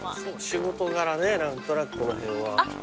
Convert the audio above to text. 仕事柄ね何となくこの辺は。